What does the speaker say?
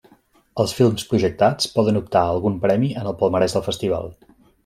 Els films projectats poden optar a algun premi en el palmarès del festival.